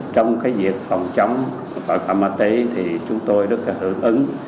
trong việc phòng chống tội phạm ma túy chúng tôi rất hưởng ứng